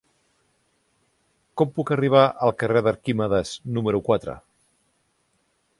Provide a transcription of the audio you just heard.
Com puc arribar al carrer d'Arquímedes número quatre?